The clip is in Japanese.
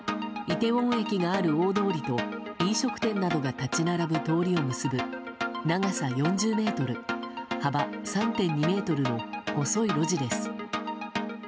イテウォン駅がある大通りと飲食店などが立ち並ぶ通りを結ぶ長さ４０ｍ幅３．２ｍの細い路地です。